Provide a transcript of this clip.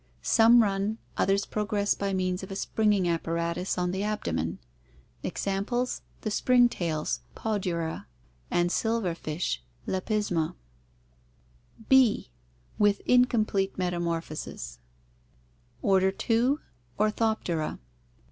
Some run, others progress by means of a springing apparatus on the abdomen. Examples: the springtails (Podura) and sUverfish (Lepisma). 442 ORGANIC EVOLUTION B. With incomplete metamorphosis Order 2. Orthoptera.